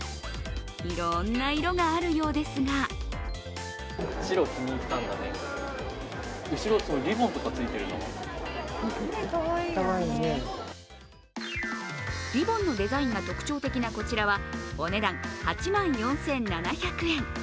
いろんな色があるようですがリボンのデザインが特徴的なこちらは、お値段８万４７００円。